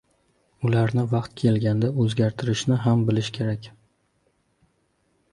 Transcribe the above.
Ularni vaqt kelganda o‘zgartirishni ham bilish kerak.